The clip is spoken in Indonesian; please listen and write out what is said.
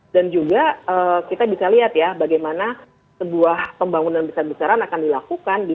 dan juga kita bisa lihat ya bagaimana sebuah pembangunan besar besaran akan dilakukan di